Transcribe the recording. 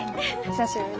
久しぶり。